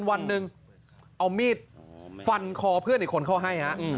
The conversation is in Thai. วันหนึ่งเอามีดฟันคอเพื่อนอีกคนเขาให้ฮะ